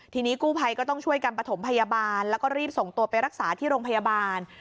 ทีนี้กู้ภัยก็ต้องช่วยกันประถมพยาบาลแล้วก็รีบส่งตัวไปรักษาที่โรงพยาบาล